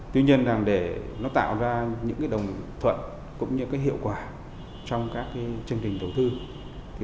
tuy nhiên để nó tạo ra những đồng thuận cũng như hiệu quả trong các chương trình đầu tư